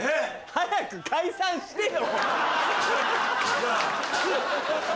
早く解散してよ！